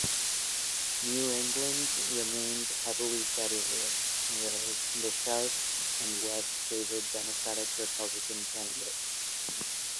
New England remained heavily Federalist, whereas the South and West favored Democratic-Republican candidates.